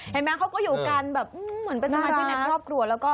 เห็นไหมเขาก็อยู่กันแบบเหมือนเป็นสมาชิกในครอบครัวแล้วก็